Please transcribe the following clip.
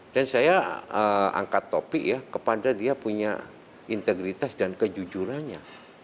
dan saya angkat topik kepada dia punya integritas dan kejujurannya